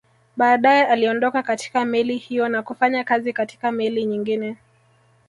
Baadae aliondoka katika meli hiyo na kufanya kazi katika meli nyingine